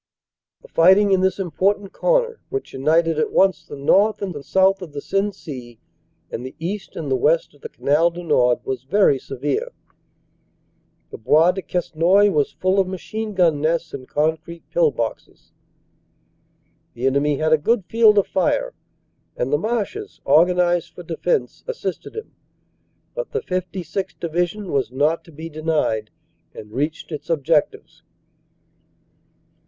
The fighting in this important corner, which united at once OPERATIONS: SEPT. 27 CONTINUED 237 the north and the south of the Sensee and the east and the west of the Canal du Nord, was very severe. The Bois de Quesnoy was full of machine gun nests and concrete pill boxes. The enemy had a good field of fire, and the marshes, organized for defense, assisted him. But the 56th. Division was not to be denied and reached its objectives.